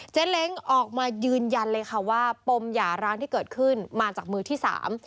เล้งออกมายืนยันเลยค่ะว่าปมหย่าร้างที่เกิดขึ้นมาจากมือที่สาม